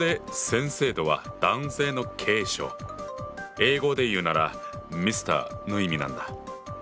英語で言うなら「Ｍｒ．」の意味なんだ。